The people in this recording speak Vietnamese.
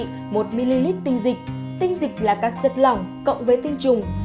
có một triệu ml tinh dịch tinh dịch là các chất lỏng cộng với tinh trùng